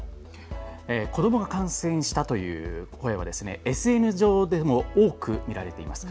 子どもが感染したという声はＳＮＳ上でも多く見られます。